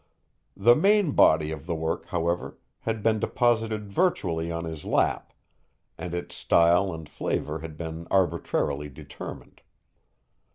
The main body of the work, however, had been deposited virtually on his lap, and its style and flavor had been arbitrarily determined.